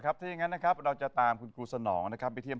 ถ้าอย่างนั้นนะครับเราจะตามคุณครูสนองนะครับไปเทีย